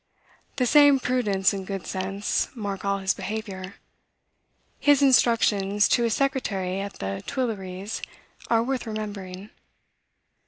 "The same prudence and good sense mark all his behavior. His instructions to his secretary at the Tuilleries are worth remembering.